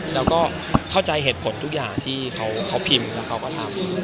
แล้วก็เข้าใจเหตุผลทุกอย่างที่เขาพิมพ์แล้วเขาก็ทำ